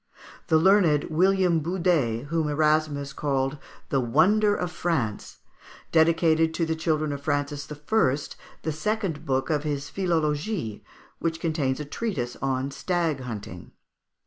The learned William Budé, whom Erasmus called the wonder of France, dedicated to the children of Francis I. the second book of his "Philologie," which contains a treatise on stag hunting.